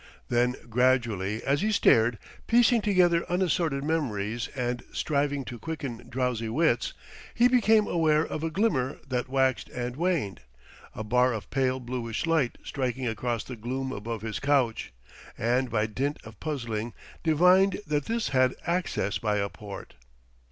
Then gradually as he stared, piecing together unassorted memories and striving to quicken drowsy wits, he became aware of a glimmer that waxed and waned, a bar of pale bluish light striking across the gloom above his couch; and by dint of puzzling divined that this had access by a port.